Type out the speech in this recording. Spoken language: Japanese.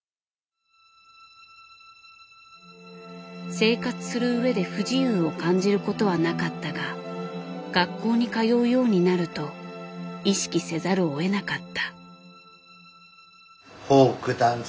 生活するうえで不自由を感じることはなかったが学校に通うようになると意識せざるをえなかった。